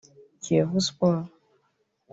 Kiyovu Sports